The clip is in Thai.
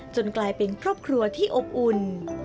กลายเป็นครอบครัวที่อบอุ่น